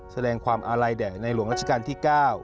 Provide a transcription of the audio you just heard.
แสดงความอาลัยแด่ในหลวงรัชกาลที่๙